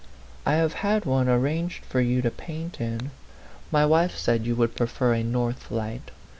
" I have had one arranged for you to paint in. My wife said you would prefer a north light.